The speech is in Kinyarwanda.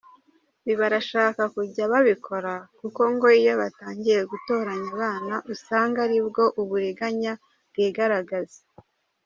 Ibi barashaka kujya babikora kuko ngo iyo batangiye gutoranya abana usanga aribwo uburiganya bwigaragaza.